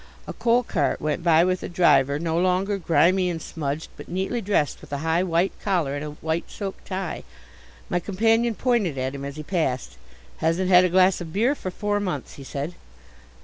A coal cart went by with a driver, no longer grimy and smudged, but neatly dressed with a high white collar and a white silk tie. My companion pointed at him as he passed. "Hasn't had a glass of beer for four months," he said.